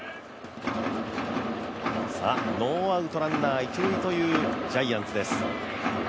ノーアウトランナー、一塁というジャイアンツです。